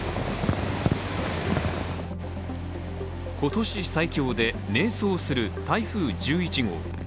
今年最強で迷走する台風１１号。